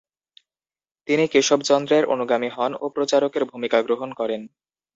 তিনি কেশবচন্দ্রের অনুগামী হন ও প্রচারকের ভূমিকা গ্রহণ করেন ।